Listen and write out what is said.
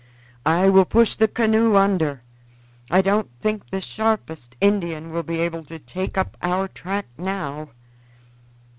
I will push the canoe under. I don't think the sharpest Indian will be able to take up our track now."